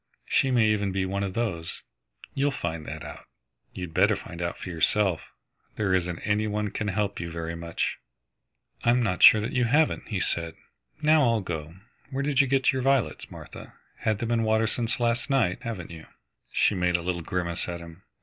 She may even be one of those. You'll find that out. You'd better find out for yourself. There isn't any one can help you very much." "I am not sure that you haven't," he said. "Now I'll go. Where did you get your violets, Martha? Had them in water since last night, haven't you?" She made a little grimace at him.